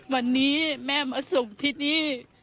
วันนี้แม่มาส่งที่นี่